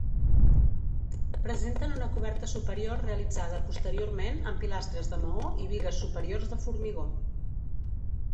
Presenten una coberta superior, realitzada posteriorment amb pilastres de maó i bigues superiors de formigó.